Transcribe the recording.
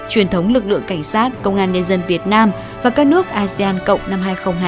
truyền thống lực lượng cảnh sát công an nhân dân việt nam và các nước asean cộng năm hai nghìn hai mươi